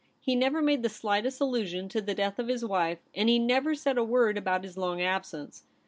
He never made the slightest allusion to the death of his wife, and he never said a word about his long absence.